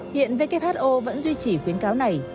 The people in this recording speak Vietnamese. hiện who vẫn duy trì khuyến cáo này